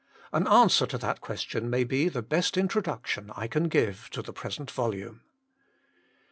An answer to that question may be the best introduction I can give to the present volume.